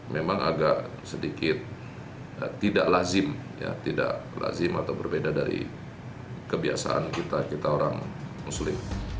memang agak sedikit tidak lazim atau berbeda dari kebiasaan kita orang muslim